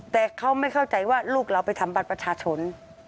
แต่เขาไม่เข้าใจว่าลูกเราไปทำบัตรประชาชน